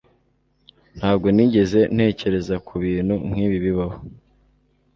Ntabwo nigeze ntekereza kubintu nkibi bibaho.